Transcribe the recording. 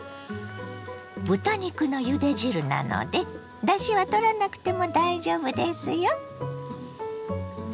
豚肉のゆで汁なのでだしはとらなくても大丈夫ですよ。